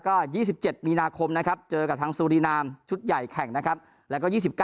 ก็๒๗มีนาคมนะครับเจอกับทางซูรีนามชุดใหญ่แข่งนะครับแล้วก็๒๙